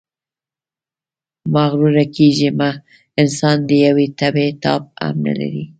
مغروره کېږئ مه، انسان د یوې تبې تاب هم نلري.